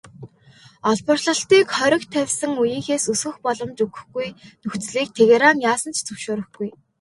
Олборлолтыг хориг тавьсан үеийнхээс өсгөх боломж өгөхгүй нөхцөлийг Тегеран яасан ч зөвшөөрөхгүй.